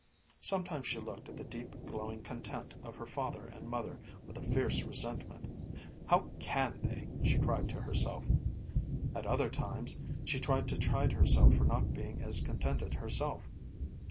Sometimes she looked at the deep, glowing content of her father and mother with a fierce resentment. "How can they!" she cried to herself. At other times she tried to chide herself for not being as contented herself